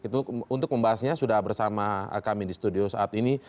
untuk membahasnya sudah bersama kami di studio saat ini